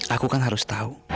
aku kan harus tahu